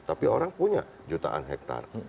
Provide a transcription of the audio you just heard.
tapi orang punya jutaan hektare